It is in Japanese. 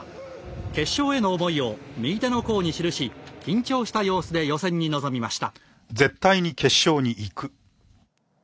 決勝への思いを右手の甲に記し緊張した様子で予選に臨みました。